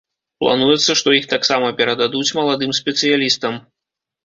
Плануецца, што іх таксама перададуць маладым спецыялістам.